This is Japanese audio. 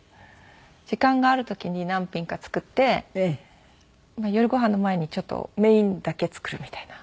時間がある時に何品か作って夜ご飯の前にちょっとメインだけ作るみたいな。